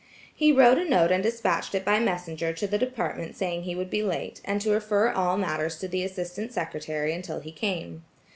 He wrote a note and despatched it by messenger to the department saying he would be late, and to refer all matters to the assistant secretary until he came.